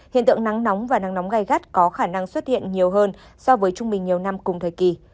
hiện tượng nắng nóng và nắng nóng gai gắt có khả năng xuất hiện nhiều hơn so với trung bình nhiều năm cùng thời kỳ